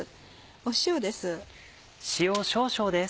塩です。